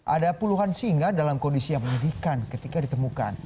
ada puluhan singa dalam kondisi yang menyedihkan ketika ditemukan